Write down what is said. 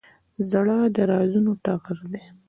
زړه د رازونو ټغر دی.